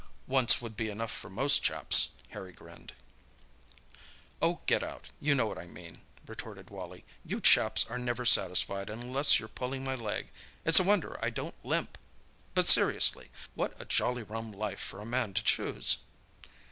"Once would be enough for most chaps." Harry grinned. "Oh, get out! you know what I mean," retorted Wally. "You chaps are never satisfied unless you're pulling my leg—it's a wonder I don't limp! But seriously, what a jolly rum life for a man to choose."